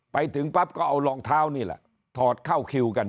ไปถึงปั๊บก็เอารองเท้านี่แหละถอดเข้าคิวกัน